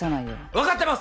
わかってます！